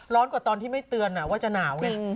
กว่าตอนที่ไม่เตือนว่าจะหนาวไง